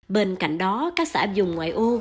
bên cạnh đó các xã dùng ngoại ô